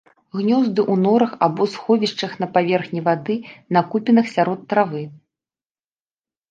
Гнёзды ў норах або сховішчах на паверхні вады, на купінах сярод травы.